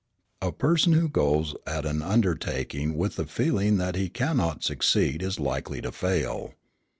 "A person who goes at an undertaking with the feeling that he cannot succeed is likely to fail.